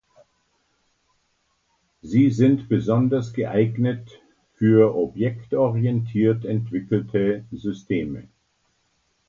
Sie sind besonders geeignet für objektorientiert entwickelte Systeme.